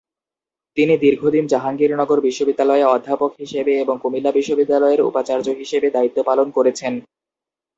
তিনি দীর্ঘদিন জাহাঙ্গীরনগর বিশ্ববিদ্যালয়ে অধ্যাপক হিসেবে এবং কুমিল্লা বিশ্ববিদ্যালয়ের উপাচার্য হিসেবে দায়িত্ব পালন করেছেন।